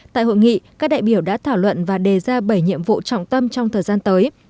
tại hội nghị các đại biểu đã thảo luận và đề ra bảy nhiệm vụ trọng tâm trong thời gian tới